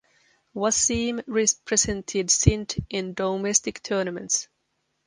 Waseem represented Sindh in domestic tournaments.